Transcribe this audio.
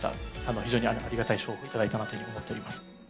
非常にありがたい賞を頂いたなというふうに思っております。